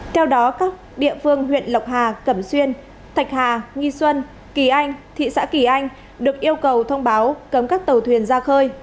theo đó các địa phương huyện lộc hà cẩm xuyên thạch hà nghi xuân kỳ anh thị xã kỳ anh được yêu cầu thông báo cấm các tàu thuyền ra khơi